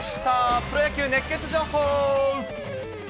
プロ野球熱ケツ情報。